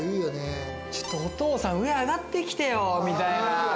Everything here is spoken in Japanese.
ちょっとお父さん、上に上がってきてよみたいな。